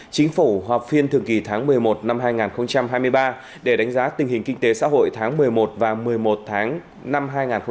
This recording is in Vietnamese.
chính phủ họp phiên thường kỳ tháng một mươi một năm hai nghìn hai mươi ba để đánh giá tình hình kinh tế xã hội tháng một mươi một và một mươi một tháng năm hai nghìn hai mươi bốn